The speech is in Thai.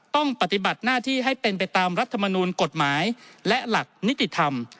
ต้องปฏิบัติหน้าที่ให้เป็นไปตามรัฐมนูลกฎหมายและหลักนิติธรรม